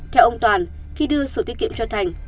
theo ông toàn khi đưa sổ tiết kiệm cho thành